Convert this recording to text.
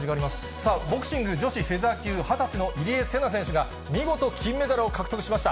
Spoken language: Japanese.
さあ、ボクシング女子フェザー級、２０歳の入江聖奈選手が見事、金メダルを獲得しました。